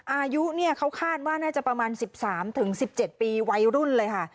อายุเนี่ยเขาคาดว่าน่าจะประมาณ๑๓๑๗ปีวัยรุ่นเลยค่ะ